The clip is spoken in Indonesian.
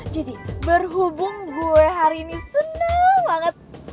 jadi berhubung gue hari ini senang banget